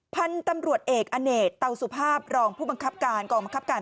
พันธุ์ตำรวจเอกอเนตเตาสุภาพรองผู้มะครับการ